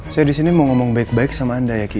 saya di sini mau ngomong baik baik sama anda ya ki